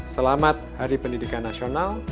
selamat hari pendidikan nasional